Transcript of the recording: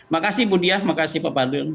makasih budi ya makasih pak fadlun